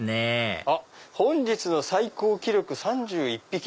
「本日の最高記録３１匹」。